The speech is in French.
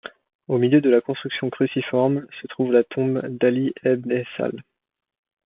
Au milieu de la construction cruciforme se trouve la tombe d'Ali ebn-e Sahl.